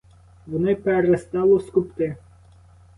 Воно й перестало скубти.